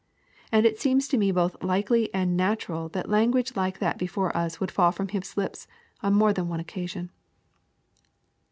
And it seems to me both likely and natural that inguage like that before us would fall from His lips on more than one occasion.